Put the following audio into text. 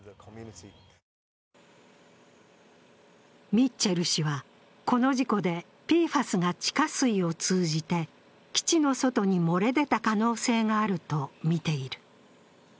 ミッチェル氏は、この事故でＰＦＡＳが地下水を通じて基地の外に漏れ出た可能性があるとみている。